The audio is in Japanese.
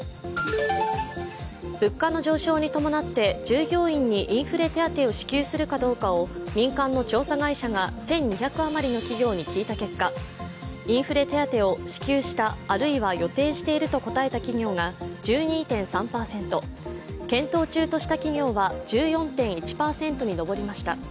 物価の上昇に伴って従業員にインフレ手当を支給するかどうかを民間の調査会社が１２００余りの企業に聞いた結果インフレ手当を支給した、あるいは予定していると答えた企業が１２．３％、検討中とした企業は１４．１％に上りました。